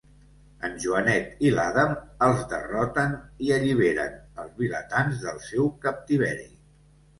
En Joanet i l'Adam els derroten i alliberen els vilatans del seu captiveri.